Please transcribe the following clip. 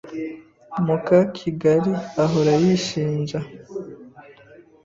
Mukakigali ahora yishinja.